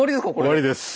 終わりです。